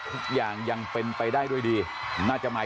ทุกอย่างยังเป็นไปได้ด้วยดีน่าจะหมาย